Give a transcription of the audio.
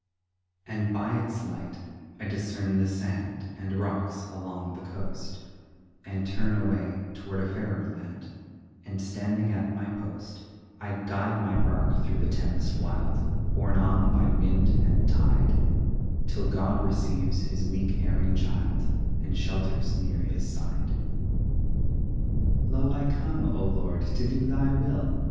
And by its light I discern the sand And rocks along the coast, And turn away toward a fairer land, And standing at my post, I guide my bark thro' the tempest wild, Borne on by wind and tide, Till God receives His weak, erring child, And shelters near His side. "Lo, I come, O Lord, to do Thy will!"